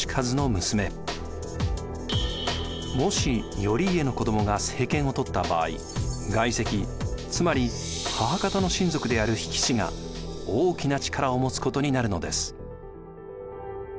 もし頼家の子どもが政権を取った場合外戚つまり母方の親族である比企氏が大きな力を持つことになるのです。